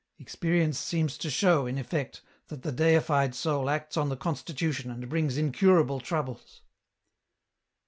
Experience seems to show, in effect, that the deified soul acts on the constitution and brings incurable troubles."